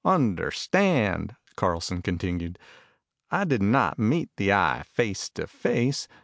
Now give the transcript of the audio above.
"Understand," Carlson continued, "I did not meet the Eye face to face.